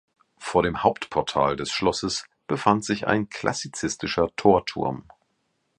Vor dem Hauptportal des Schlosses befand sich ein klassizistischer Torturm.